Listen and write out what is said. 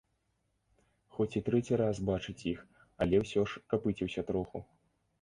Хоць і трэці раз бачыць іх, але ўсё ж капыціўся троху.